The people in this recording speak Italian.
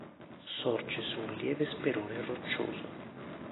Sorge su un lieve sperone roccioso.